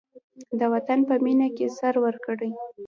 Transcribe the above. د وطن په مینه کې سر ورکړئ.